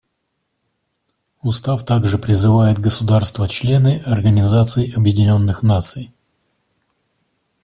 Устав также призывает государства-члены Организации Объединенных Наций.